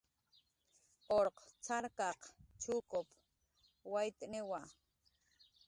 Urq cxarkaq chukup waytniwa